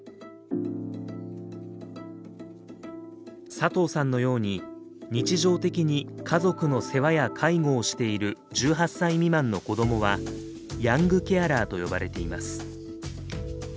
佐藤さんのように日常的に家族の世話や介護をしている１８歳未満の子どもはヤングケアラーと呼ばれています。